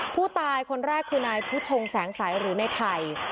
ผู้ตายคนแรกคือนายผู้ชงแสงสัยหรือในไผ่